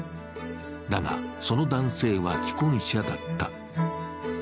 だが、その男性は既婚者だった。